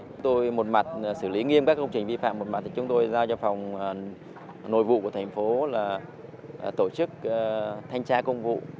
chúng tôi một mặt xử lý nghiêm các công trình vi phạm một mặt chúng tôi rao cho phòng nội vụ của tp là tổ chức thanh tra công vụ